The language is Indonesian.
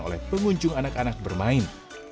oleh pengunjung anak anak bermain